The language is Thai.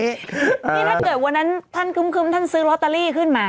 นี่ถ้าเกิดวันนั้นท่านคึ้มท่านซื้อลอตเตอรี่ขึ้นมา